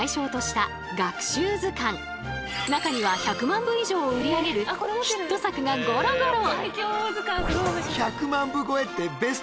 中には１００万部以上を売り上げるヒット作がゴロゴロ！